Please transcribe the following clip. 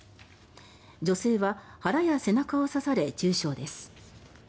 女性は腹や背中を刺され重傷です。